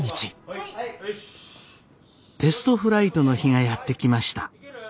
テストフライトの日がやって来ました。